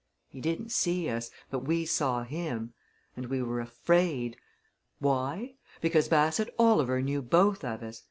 He didn't see us. But we saw him. And we were afraid! Why? Because Bassett Oliver knew both of us.